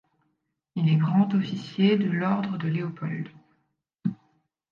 Il est grand officier de l'Ordre de Léopold.